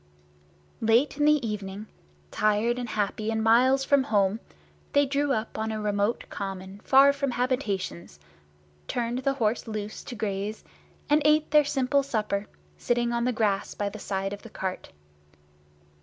Late in the evening, tired and happy and miles from home, they drew up on a remote common far from habitations, turned the horse loose to graze, and ate their simple supper sitting on the grass by the side of the cart.